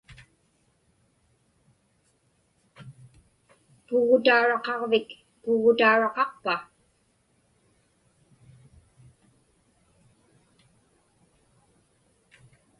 Puggutauraqaġvik puggutauraqaqpa?